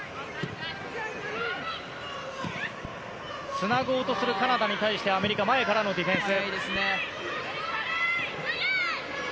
つなごうとするカナダに対してアメリカ前からのディフェンス。